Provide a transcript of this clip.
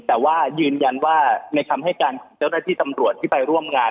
แต่ว่ายืนยันว่าในคำให้การของเจ้าหน้าที่ตำรวจที่ไปร่วมงาน